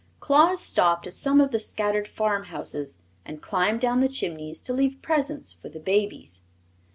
Claus stopped at some of the scattered farmhouses and climbed down the chimneys to leave presents for the babies.